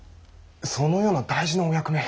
そのような大事なお役目。